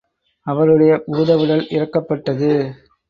அவருடைய பூதவுடல் இறக்கப்பட்டது.